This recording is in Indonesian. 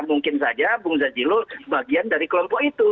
mungkin saja bung zajilul bagian dari kelompok itu